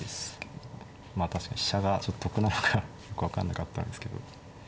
まあ確かに飛車がちょっと得なのかよく分かんなかったんですけど。